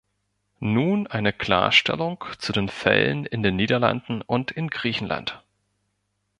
Nun eine Klarstellung zu den Fällen in den Niederlanden und in Griechenland.